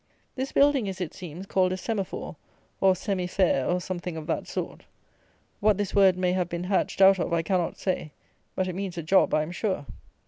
This building is, it seems, called a Semaphore, or Semiphare, or something of that sort. What this word may have been hatched out of I cannot say; but it means a job, I am sure.